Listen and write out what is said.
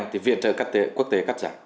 thì viện trợ quốc tế cắt giảm